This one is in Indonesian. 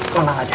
kau tenang aja